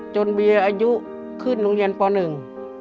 จนเบียร์อายุขึ้นโรงเรียนป่าวหนึ่ง